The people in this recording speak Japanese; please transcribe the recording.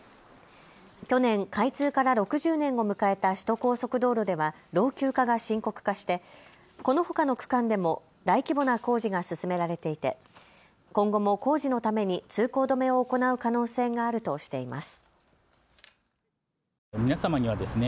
去年、開通から６０年を迎えた首都高速道路では老朽化が深刻化してこのほかの区間でも大規模な工事が進められていて今後も工事のために通行止めを行う可能性があるとしています。